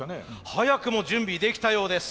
早くも準備できたようです。